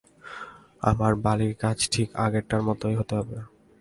আমার বালির কাজ ঠিক আগেকারটির মতো হতে হবে।